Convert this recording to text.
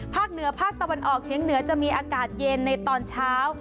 เหนือภาคตะวันออกเชียงเหนือจะมีอากาศเย็นในตอนเช้า